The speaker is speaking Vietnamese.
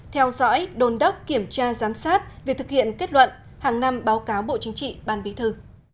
theo dõi đồn đốc kiểm tra giám sát việc thực hiện kết luận hàng năm báo cáo bộ chính trị ban bí thư